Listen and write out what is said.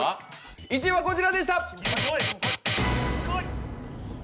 １位はこちらでした。